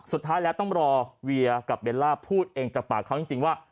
สุดท้ายแล้วต้องรอเวียกับเบลล่าพูดเองจากปากเขาจริงว่า